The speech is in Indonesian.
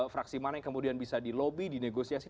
fraksi mana yang kemudian bisa dilobi dinegosiasi